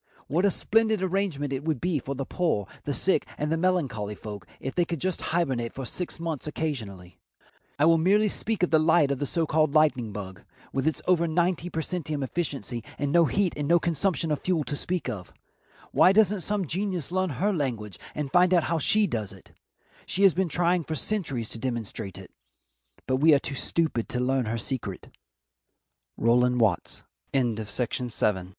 What a splendid arrangement it would be for the poor, the sick, and the melancholy folk if they could just hibernate for six months occasionally. I will merely speak of the light of the so called lightning bug, with its over ninety per centum efficiency and no heat and no consumption of fuel to speak of. Why doesn't some genius learn her language and find out how she does it? She has been trying for centuries to demonstrate it but we are too stupid to learn her secret. Rowland Watts. THE GREAT TAILED GRACKLE.